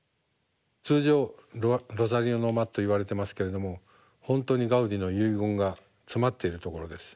通常「ロザリオの間」といわれてますけれども本当にガウディの遺言が詰まっているところです。